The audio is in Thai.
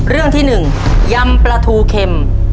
เรื่องที่หนึ่งยำประทูเข็ม